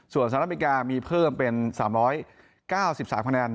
ส่วนสำหรับอีกการมีเพิ่มเป็น๓๙๓คะแนน